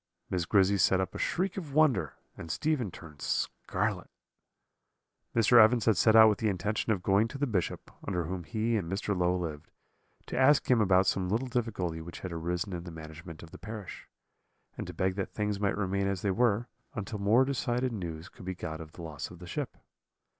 "Miss Grizzy set up a shriek of wonder, and Stephen turned scarlet. "Mr. Evans had set out with the intention of going to the Bishop, under whom he and Mr. Low lived, to ask him about some little difficulty which had arisen in the management of the parish, and to beg that things might remain as they were, until more decided news could be got of the loss of the ship.